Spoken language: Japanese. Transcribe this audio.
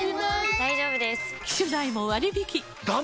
大丈夫です！